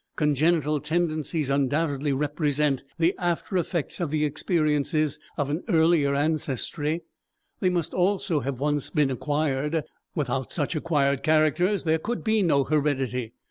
Congenital tendencies undoubtedly represent the after effects of the experiences of an earlier ancestry; they must also have once been acquired; without such acquired characters there could be no heredity.